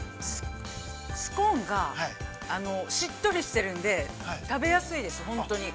◆スコーンがしっとりしてるんで食べやすいです、ほんとに。